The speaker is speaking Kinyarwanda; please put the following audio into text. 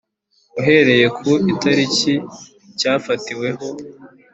uhereye ku itariki cyafatiweho